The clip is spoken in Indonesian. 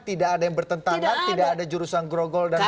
tidak ada yang bertentangan tidak ada jurusan grogol dan sebagainya